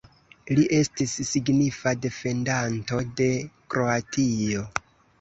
Li estis signifa defendanto de Kroatio.